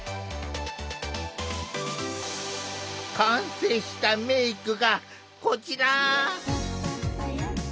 完成したメークがこちら！